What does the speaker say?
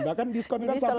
bahkan diskon kan sampai hari